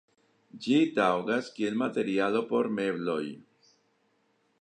Ĝi taŭgas kiel materialo por mebloj.